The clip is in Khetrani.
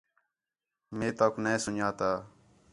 مے توک نے سُن٘ڄاتا